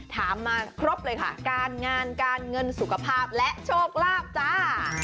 ถามมาครบเลยค่ะการงานการเงินสุขภาพและโชคลาภจ้า